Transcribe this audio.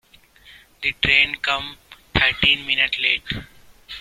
The train came thirteen minutes late.